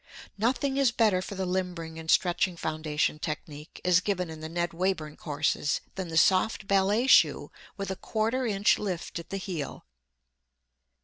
Nothing is better for the limbering and stretching foundation technique, as given in the Ned Wayburn courses, than the soft ballet shoe with a quarter inch lift at the heel.